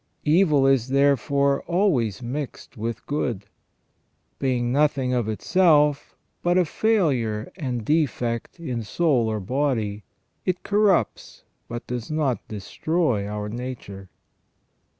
Evil is therefore always mixed with good ; being noth ing of itself but a failure and defect in soul or body, it corrupts but does not destroy our nature.